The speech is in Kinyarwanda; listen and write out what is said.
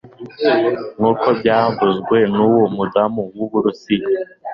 nkuko byavuzwe n'uwo mudamu w'uburusiya